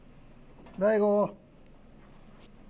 大悟。